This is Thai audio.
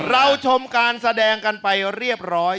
เราชมการแสดงกันไปเรียบร้อย